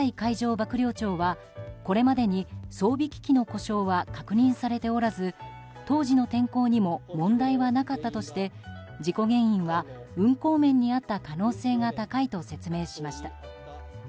幕僚長はこれまでに装備機器の故障は確認されておらず当時の天候にも問題はなかったとして事故原因は運航面にあった可能性が高いと説明しました。